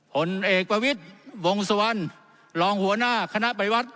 ผลเอกประวิตฯวงต์สวันรองหัวหน้าคณะบริวัตร